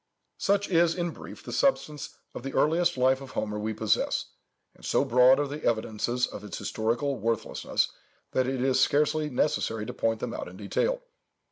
Such is, in brief, the substance of the earliest life of Homer we possess, and so broad are the evidences of its historical worthlessness, that it is scarcely necessary to point them out in detail.